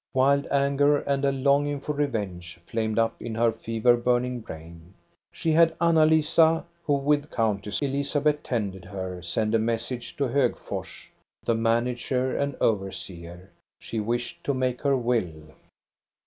Wild anger and a longing for revenge flamed up in her fever burning brain. She had Anna Lisa, who with Countess Elizabeth tended her, send a message to Hogfors to the manager and overseer. She wished to make her will.